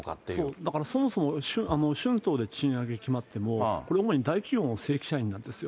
だからそもそも、春闘で賃上げ決まっても、これ主に、大企業の正規社員なんですよ。